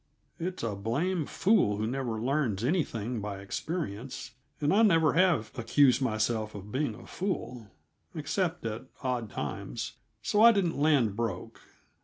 It's a blamed fool who never learns anything by experience, and I never have accused myself of being a fool except at odd times so I didn't land broke.